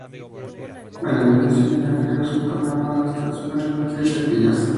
El edificio de viajeros, de un tamaño modesto, dispone de cafetería y taquillas.